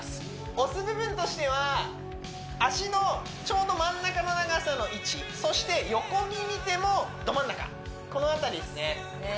押す部分としては脚のちょうど真ん中の長さの位置そして横に見てもど真ん中この辺りですねへえ